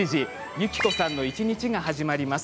ゆきこさんの一日が始まります。